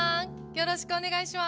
よろしくお願いします。